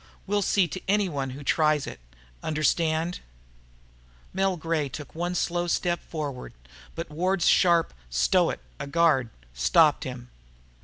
We'll see to anyone who tries it. Understand?" Mel Gray took one slow step forward, but Ward's sharp, "Stow it! A guard," stopped him.